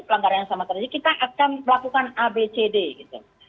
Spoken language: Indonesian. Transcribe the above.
pelanggaran yang sama terjadi kita akan melakukan abcd gitu